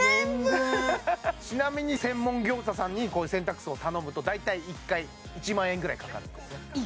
ちなみに専門業者さんに洗濯槽を頼むと大体１回１万円ぐらいかかるんですね